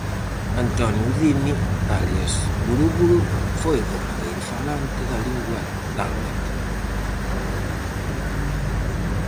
Antonio Udine, alias Burubur, foi o derradeiro falante da lingua dálmata.